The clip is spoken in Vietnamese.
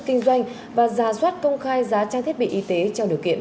kinh doanh và giả soát công khai giá trang thiết bị y tế trong điều kiện